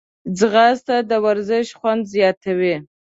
ځغاسته د ورزش خوند زیاتوي